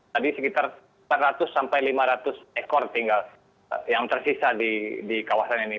tadi sekitar empat ratus sampai lima ratus ekor tinggal yang tersisa di kawasan ini